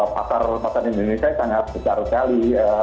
pakar pakar indonesia sangat besar sekali